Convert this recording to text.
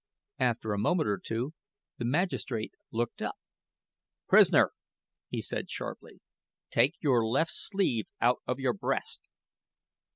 After a moment or two the magistrate looked up. "Prisoner," he said, sharply, "take your left sleeve out of your breast!"